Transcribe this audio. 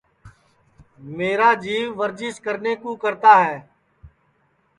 میرا جیو ورجیس کرنے کُو کرتا ہے